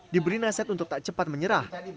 diberi nasihat untuk tak cepat menyerah